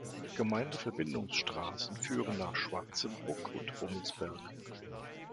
Gemeindeverbindungsstraßen führen nach Schwarzenbruck und Rummelsberg.